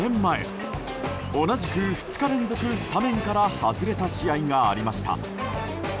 ２年前、同じく２日連続スタメンから外れた試合がありました。